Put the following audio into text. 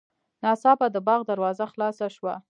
ناڅاپه د باغ دروازه خلاصه شوه.